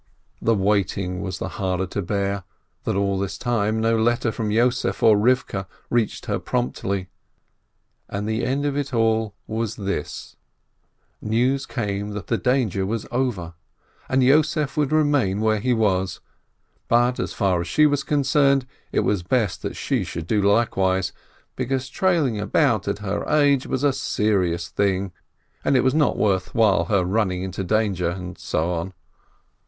The waiting was the harder to bear that all this time no letter from Yossef or Eivkeh reached her promptly. And the end of it all was this : news came that the dan ger was over, and Yossef would remain where he was; but as far as she was concerned, it was best she should do likewise, because trailing about at her age was a serious thing, and it was not worth while her running into danger, and so on.